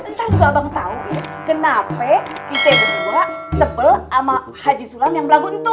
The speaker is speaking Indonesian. ntar juga abang tau ya kenapa kita berdua sebel sama haji sulam yang belagu itu